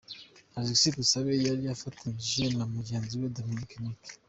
Alexis Dusabe yari afatanyije na mugenzi we Dominic Nic.